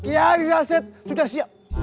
ya riaset sudah siap